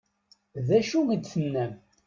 D acu i d-tennam?